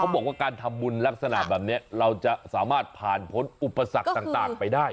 บอกว่าการทำบุญลักษณะแบบนี้เราจะสามารถผ่านพ้นอุปสรรคต่างไปได้